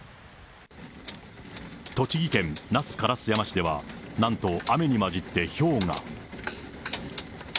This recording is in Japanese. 栃木県那須烏山市では、なんと、雨に交じってひょうが。